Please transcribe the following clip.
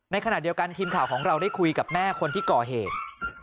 ในขณะเดียวกันทีมข่าวของเราได้คุยกับแม่คนที่ก่อเหตุ